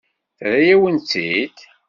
Terra-yawen-tt-id?